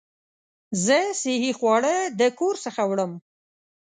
زه صحي خواړه د کور څخه وړم.